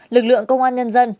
lực lượng công an nhân dân